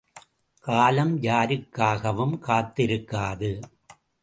காலம் யாருக்காகவும் காத்திருக்காது.